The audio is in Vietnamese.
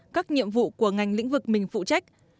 các nhiệm vụ của ngành lĩnh vực mình phụ trách